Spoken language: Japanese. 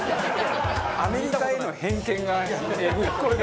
アメリカへの偏見がえぐい。